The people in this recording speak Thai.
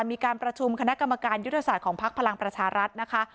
มีการประชุมคณะกรรมการยุทธศาสตร์ของพักพลังประชารัฐนะคะ